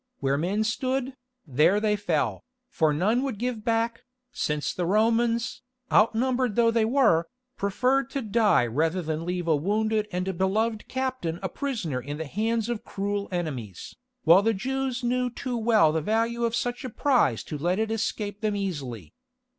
Where men stood, there they fell, for none would give back, since the Romans, outnumbered though they were, preferred to die rather than leave a wounded and beloved captain a prisoner in the hands of cruel enemies, while the Jews knew too well the value of such a prize to let it escape them easily.